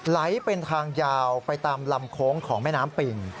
ไหลเป็นทางยาวไปตามลำโค้งของแม่น้ำปิ่ง